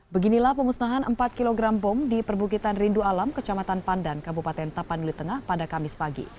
beginilah pemusnahan empat kg bom di perbukitan rindu alam kecamatan pandan kabupaten tapanuli tengah pada kamis pagi